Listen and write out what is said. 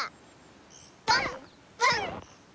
パンパン！